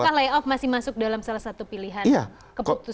apakah layoff masih masuk dalam salah satu pilihan keputusan